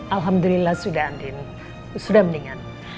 alhamdulillah sudah andin sudah meninggal